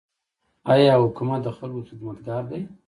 آیا حکومت د خلکو خدمتګار دی؟